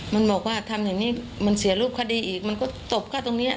มันบอกว่าทำอย่างนี้มันเสียลูกค่าดีอีกเมื่อก็ตบทุ่งเนี้ย